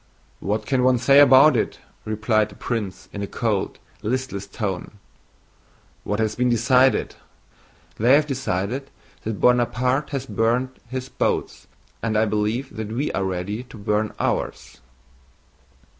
"What can one say about it?" replied the prince in a cold, listless tone. "What has been decided? They have decided that Buonaparte has burnt his boats, and I believe that we are ready to burn ours."